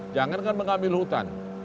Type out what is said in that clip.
jangan dengan mengambil hutan